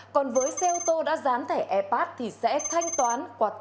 còn với xe ô tô đã dán thẻ e pat thì sẽ thanh toán qua ví vetc